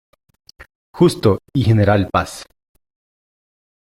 Justo y General Paz